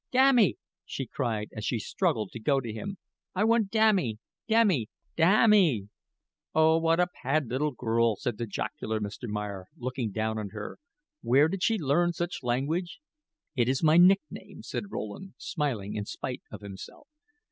"Dammy," she cried, as she struggled to go to him; "I want Dammy Dammy Da a may." "Oh, what a pad little girl," said the jocular Mr. Meyer, looking down on her. "Where did you learn such language?" "It is my nickname," said Rowland, smiling in spite of himself.